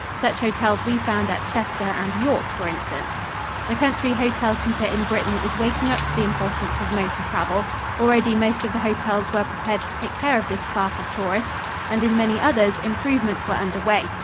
Such hotels we found at Chester and York, for instance. The country hotel keeper in Britain is waking up to the importance of motor travel. Already most of the hotels were prepared to take care of this class of tourists, and in many others improvements were under way.